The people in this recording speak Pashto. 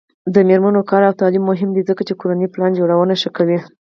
د میرمنو کار او تعلیم مهم دی ځکه چې کورنۍ پلان جوړونه ښه کوي.